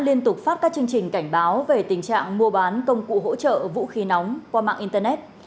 liên tục phát các chương trình cảnh báo về tình trạng mua bán công cụ hỗ trợ vũ khí nóng qua mạng internet